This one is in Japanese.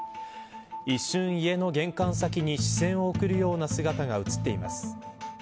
一瞬、家の玄関先に視線を送るような姿が映っています。